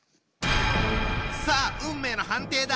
さあ運命の判定だ。